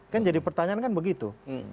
kan jadi pertanyaan kan begitu